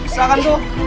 susah kan tuh